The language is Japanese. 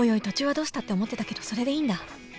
途中はどうしたって思ってたけどそれでいいんだ